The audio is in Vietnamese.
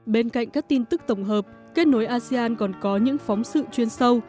bên cạnh các tin tức tổng hợp kết nối asean còn có những phóng sự chuyên sâu